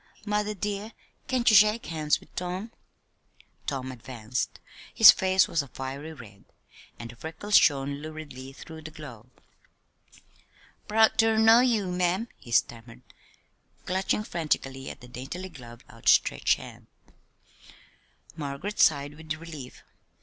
"Mother, dear, can't you shake hands with Tom?" Tom advanced. His face was a fiery red, and the freckles shone luridly through the glow. "Proud ter know ye, ma'am," he stammered, clutching frantically at the daintily gloved, outstretched hand. Margaret sighed with relief.